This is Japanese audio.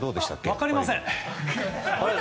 分かりません。